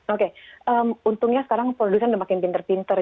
oke untungnya sekarang producen sudah makin pinter pinter